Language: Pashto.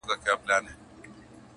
په حيرت وکړه قاضي ترېنه پوښتنه-